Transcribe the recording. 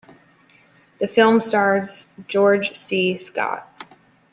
The film stars George C. Scott.